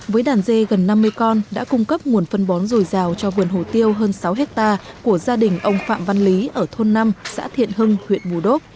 với đàn dê gần năm mươi con đã cung cấp nguồn phân bón dồi dào cho vườn hồ tiêu hơn sáu hectare của gia đình ông phạm văn lý ở thôn năm xã thiện hưng huyện bù đốc